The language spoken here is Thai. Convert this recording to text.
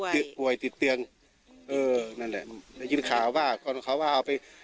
คือถึงใช่ไง